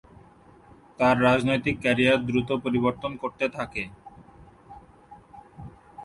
তার রাজনৈতিক ক্যারিয়ার দ্রুত পরিবর্তন করতে থাকে।